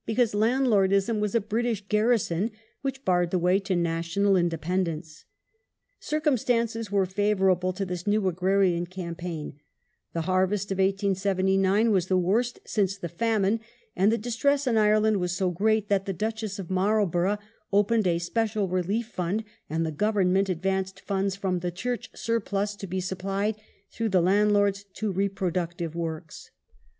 . because landlordism was a British garrison which barred the way to national independence".^ Circumstances were favourable to this new^ agrarian campaign : the harvest of 1879 was the worst since the famine,^ and the distress in Ireland was so great that the Duchess of Marlborough opened a special relief fund, and the Government advanced funds from the Church surplus to be applied, through the landlords, to reproductive works.